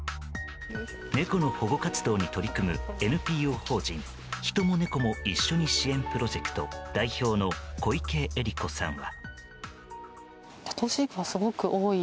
猫の保護活動に取り組むＮＰＯ法人人もねこも一緒に支援プロジェクト代表の小池英梨子さんは。